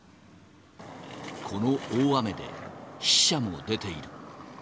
この大雨で死者も出ている。